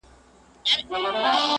بیگا مي خوب لیده مسجد را نړومه ځمه~